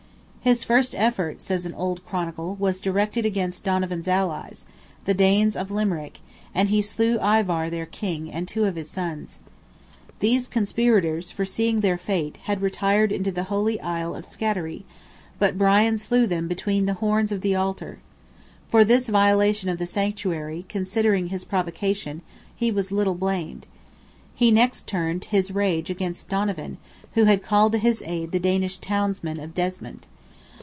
"His first effort," says an old Chronicle, "was directed against Donovan's allies, the Danes of Limerick, and he slew Ivar their king, and two of his sons." These conspirators, foreseeing their fate, had retired into the holy isle of Scattery, but Brian slew them between "the horns of the altar." For this violation of the sanctuary, considering his provocation, he was little blamed. He next turned his rage against Donovan, who had called to his aid the Danish townsmen of Desmond.